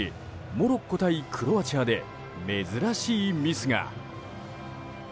モロッコ対クロアチアで珍しいミスが。